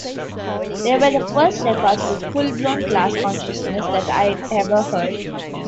They were the first records with full-blown class consciousness that I'd ever heard.